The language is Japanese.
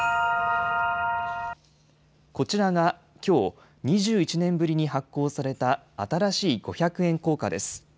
こちらが、きょう２１年ぶりに発行された新しい五百円硬貨です。